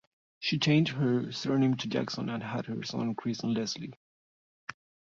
She changed her surname to Jackson, and had her son christened Leslie.